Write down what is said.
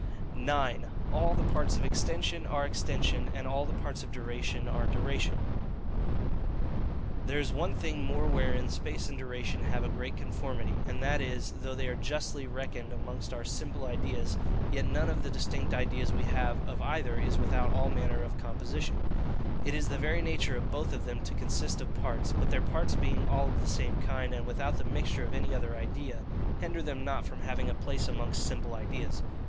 9. All the Parts of Extension are Extension, and all the Parts of Duration are Duration. There is one thing more wherein space and duration have a great conformity, and that is, though they are justly reckoned amongst our SIMPLE IDEAS, yet none of the distinct ideas we have of either is without all manner of composition: it is the very nature of both of them to consist of parts: but their parts being all of the same kind, and without the mixture of any other idea, hinder them not from having a place amongst simple ideas.